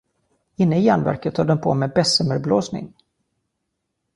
Inne i järnverket höll de på med bessemerblåsning.